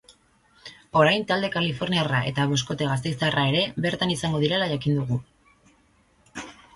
Orain talde kaliforniarra eta boskote gasteiztarra ere bertan izango direla jakin dugu.